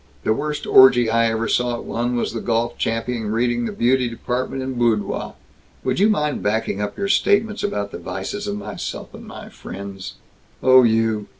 The worst orgy I ever saw at one was the golf champion reading the beauty department in Boudoir. Would you mind backing up your statements about the vices of myself and my friends " "Oh, you.